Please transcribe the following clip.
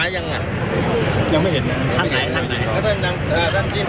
ยังไม่ได้